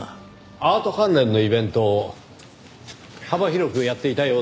アート関連のイベントを幅広くやっていたようですねぇ。